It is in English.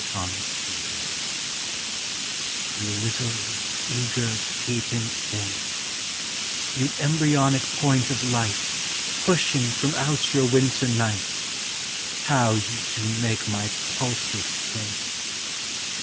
THE AWAKENING You little, eager, peeping thing — You embryonic point of light Pushing from out your winter night, How you do make my pulses sing!